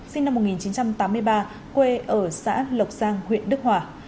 sinh năm một nghìn chín trăm tám mươi ba quê ở xã lộc giang huyện đức hòa